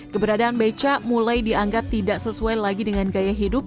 keberadaan becak mulai dianggap tidak sesuai lagi dengan gaya hidup